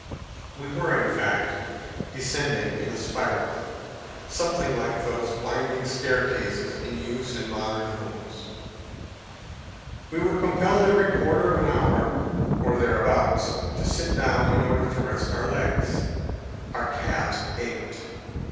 We were, in fact, descending a spiral, something like those winding staircases in use in modern houses. We were compelled every quarter of an hour or thereabouts to sit down in order to rest our legs. Our calves ached.